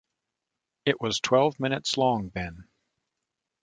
It was twelve minutes long then.